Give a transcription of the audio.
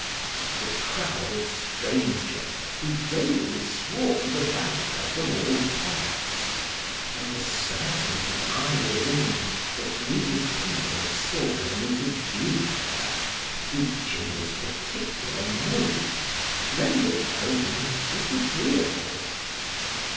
The crowd of strangers who daily swarmed about her from all parts, and the certainty I was in that these people sought only to dupe her, each in his particular mode, rendered home disagreeable.